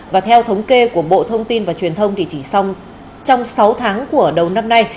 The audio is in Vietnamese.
và theo thống kê của bộ thông tin và truyền thông thì chỉ trong sáu tháng của đầu năm nay